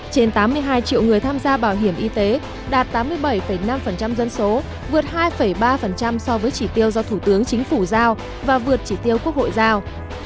trên tám mươi hai triệu người tham gia bảo hiểm y tế đạt tám mươi bảy năm dân số vượt hai ba so với chỉ tiêu do thủ tướng chính phủ giao và vượt chỉ tiêu quốc hội giao